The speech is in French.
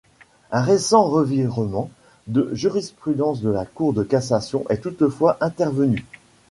Un récent revirement de jurisprudence de la Cour de cassation est toutefois intervenu.